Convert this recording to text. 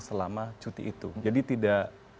selama cuti itu jadi tidak